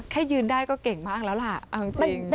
อ๋อแค่ยืนได้ก็เก่งมากแล้วล่ะ